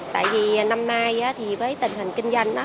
tại vì năm nay thì với tình hình kinh doanh